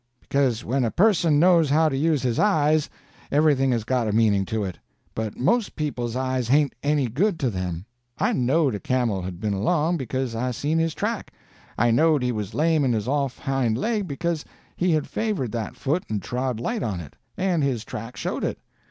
"Because when a person knows how to use his eyes, everything has got a meaning to it; but most people's eyes ain't any good to them. I knowed a camel had been along, because I seen his track. I knowed he was lame in his off hind leg because he had favored that foot and trod light on it, and his track showed it.